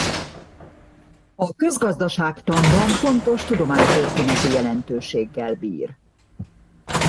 A közgazdaságtanban fontos tudománytörténeti jelentőséggel bír.